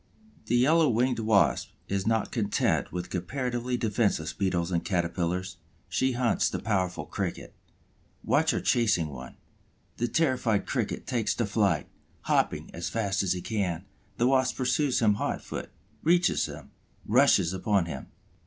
The Yellow winged Wasp is not content with comparatively defenseless Beetles and Caterpillars; she hunts the powerful Cricket. Watch her chasing one. The terrified Cricket takes to flight, hopping as fast as he can; the Wasp pursues him hot foot, reaches him, rushes upon him.